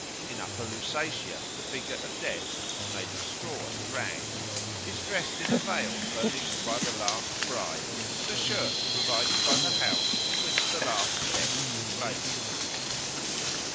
In Upper Lusatia the figure of Death, made of straw and rags, is dressed in a veil furnished by the last bride and a shirt provided by the house in which the last death took place.